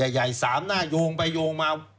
ใหญ่๓หน้าโยงไปโยงมา